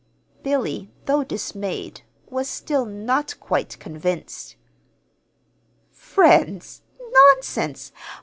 Billy, though dismayed, was still not quite convinced. "Friends! Nonsense!